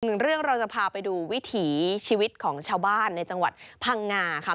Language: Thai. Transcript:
หนึ่งเรื่องเราจะพาไปดูวิถีชีวิตของชาวบ้านในจังหวัดพังงาค่ะ